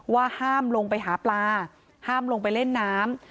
ว่าห้ามลงไปหาปลาห้ามลงไปเล่นน้ำ